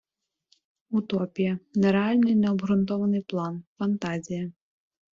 Утопія — нереальний необгрунтований план, фантазія